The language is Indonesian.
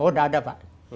oh udah ada pak